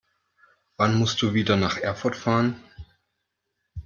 Wann musst du wieder nach Erfurt fahren?